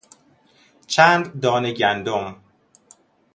چند دانه گندم